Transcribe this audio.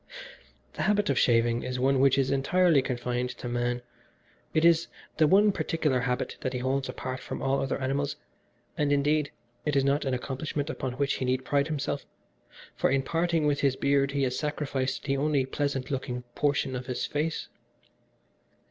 "This habit of shaving is one which is entirely confined to man. It is the one particular habit that he holds apart from all other animals, and, indeed, it is not an accomplishment upon which he need pride himself, for in parting with his beard he has sacrificed the only pleasant looking portion of his face.